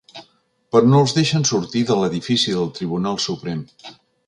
Però no els deixen sortir de l’edifici del Tribunal Suprem.